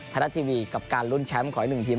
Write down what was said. ไทยรัฐทีวีกับการลุ้นแชมป์ของอีกหนึ่งทีม